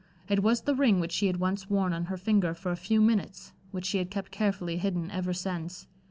It was the ring which she had once worn on her finger for a few minutes, which she had kept carefully hidden ever since.